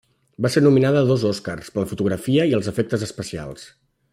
Va ser nominada a dos Oscars per la fotografia i els efectes especials.